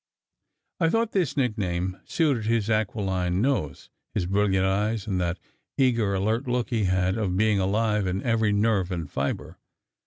I thought this nickname suited his aquiline nose, his brilliant eyes, and that eager, alert look he had of being alive in every nerve and fibre.